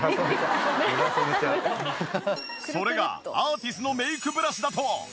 それがアーティスのメイクブラシだと。